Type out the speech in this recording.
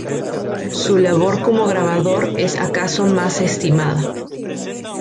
Su labor como grabador es acaso más estimada.